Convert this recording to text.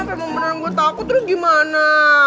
emang emang beneran gue takut terus gimana